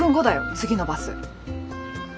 次のバス。